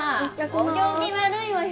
お行儀悪いわよ！